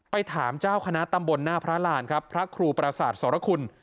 ไปถามเจ้าคณะตำบลหน้าพระรานครับพระครูประสาทสรคุณ